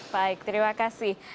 baik terima kasih